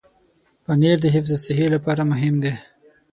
پنېر د حفظ الصحې لپاره مهم دی.